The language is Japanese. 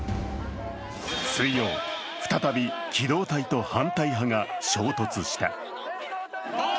水曜、再び機動隊と反対派が衝突した。